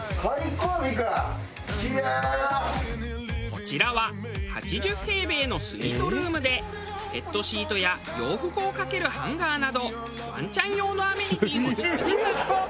こちらは８０平米のスイートルームでペットシートや洋服をかけるハンガーなどワンちゃん用のアメニティも充実。